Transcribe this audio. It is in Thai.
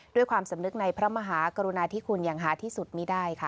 ด้วยความสำนึกในพระมหากรุณาที่คุณอย่างหาที่สุดมีได้ค่ะ